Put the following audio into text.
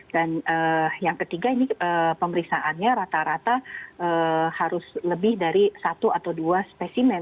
dan yang ketiga ini pemerisaannya rata rata harus lebih dari satu atau dua spesimen